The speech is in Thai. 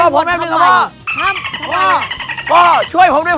พ่อช่วยผมด้วยพ่อ